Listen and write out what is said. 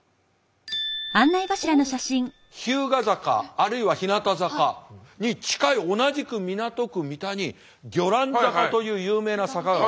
日向坂あるいは日向坂に近い同じく港区三田に魚籃坂という有名な坂があります。